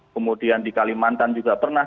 kemudian di kalimantan juga pernah